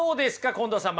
近藤さん